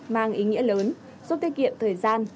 mang ý nghĩa lớn giúp tiết kiệm thời gian